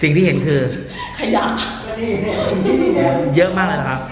สิ่งที่เห็นคือขยะเยอะมากเลยเหรอครับเยอะเต็มห้องเลย